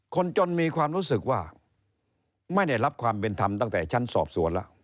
คนจนมีความรู้สึกว่าไม่ได้รับความเป็นธรรมตั้งแต่ชั้นสอบสวนแล้ว